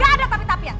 gak ada tapi tapi ya